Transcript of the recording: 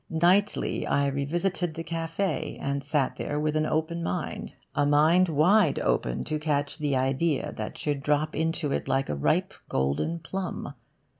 Nightly I revisited the cafe', and sat there with an open mind a mind wide open to catch the idea that should drop into it like a ripe golden plum.